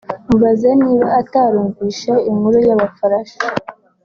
Mubaza niba atarumvishe inkuru y’aba Falasha